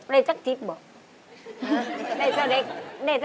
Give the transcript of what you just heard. ได้เจาะน้ำปลูกเฟอะ